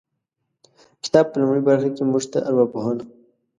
کتاب په لومړۍ برخه کې موږ ته ارواپوهنه